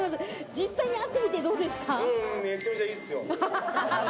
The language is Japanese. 実際に会ってみて、どうですめちゃめちゃいいですよ。